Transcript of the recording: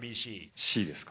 Ｃですか？